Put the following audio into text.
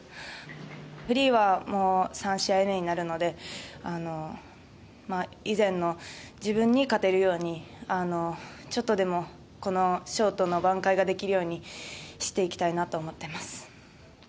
フリーは３試合目になるので以前の自分に勝てるようにちょっとでもショートの挽回ができるようにしていきたいなと思っています。